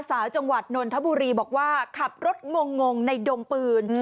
สาวจังหวัดนนทบุรีบอกว่าขับรถงงในดงปืน